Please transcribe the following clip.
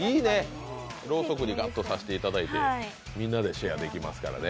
ろうそくにガッと刺していただいてみんなでシェアできますからね。